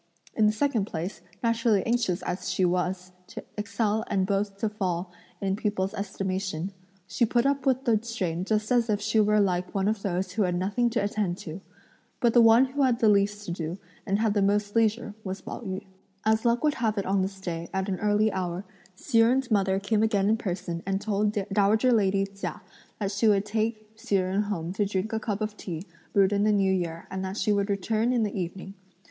In the second place, naturally anxious as she was to excel and both to fall in people's estimation, she put up with the strain just as if she were like one of those who had nothing to attend to. But the one who had the least to do and had the most leisure was Pao yü. As luck would have it on this day, at an early hour, Hsi Jen's mother came again in person and told dowager lady Chia that she would take Hsi Jen home to drink a cup of tea brewed in the new year and that she would return in the evening.